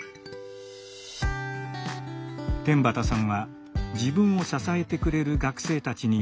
天畠さんは自分を支えてくれる学生たちに呼びかけ